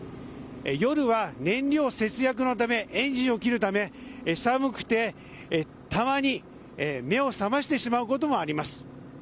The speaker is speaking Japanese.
夜は燃料節約のためエンジンを切るため寒くてたまに目を覚ましてしまうこともあります。